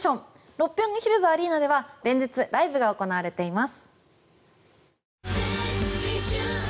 六本木ヒルズアリーナでは連日、ライブが行われています。